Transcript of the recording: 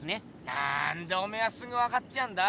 なんでおめえはすぐ分かっちゃうんだ？